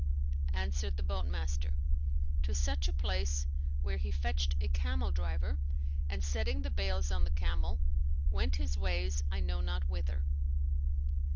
Answered the boat master, "To such a place, where he fetched a camel driver and, setting the bales on the camel, went his ways I know not whither."